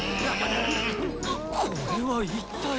これは一体。